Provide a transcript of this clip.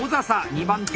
２番手